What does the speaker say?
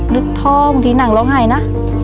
นึกท่องที่นั่งเราไห้นะ